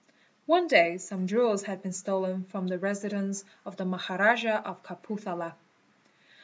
One day some jewels had been stolen from the residence of the Maharaja of Kapurthala.